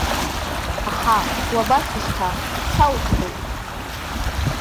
Аҳа, уабацо шьҭа, са устәуп!